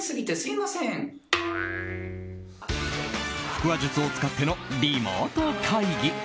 腹話術を使ってのリモート会議。